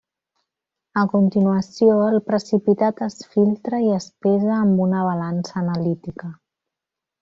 A continuació el precipitat es filtra i es pesa amb una balança analítica.